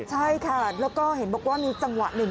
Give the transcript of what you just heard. ใช่ค่ะแล้วก็เห็นบอกว่ามีจังหวะหนึ่ง